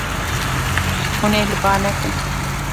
Hûn ê li ba nekin.